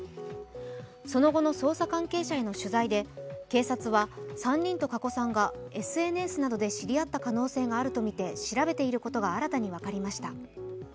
その後の捜査関係者への取材で、警察は３人と加古さんがＳＮＳなどで知り合った可能性があるとみて調べていることが新たに分かりました。